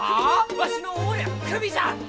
わしのお守りはクビじゃ！